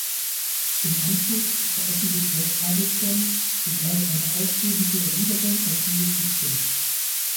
Im Anschluss veröffentlichte Arwidsson sogleich eine ausführliche Erwiderung auf dieses Gespräch.